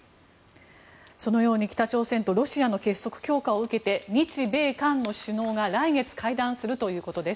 そのように、北朝鮮とロシアの結束強化を受けて日米韓の首脳が来月会談するということです。